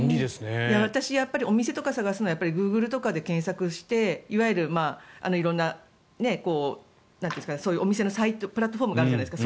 私、お店とか探すのグーグルとかで検索していわゆる、そういうお店のサイトプラットフォームがあるじゃないですか。